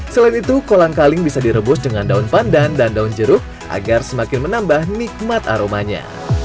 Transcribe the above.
selain itu kolang kaling bisa direbus dengan daun pandan dan daun jeruk agar semakin menambah nikmat aromanya